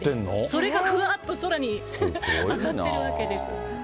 それがふわっと空に揚がっているわけです。